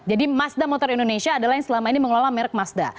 jadi mazda motor indonesia adalah yang selama ini mengelola merek mazda